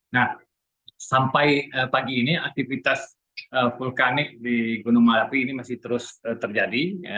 nah sampai pagi ini aktivitas vulkanik di gunung merapi ini masih terus terjadi